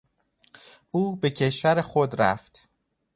او به کشور خود رفت.